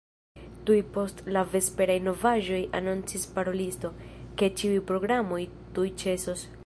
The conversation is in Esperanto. Tuj post la vesperaj novaĵoj anoncis parolisto, ke ĉiuj programoj tuj ĉesos.